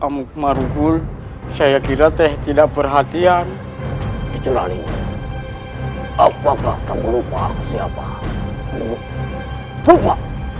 amuk marugul saya kira teh tidak perhatian curali apakah kamu lupa aku siapa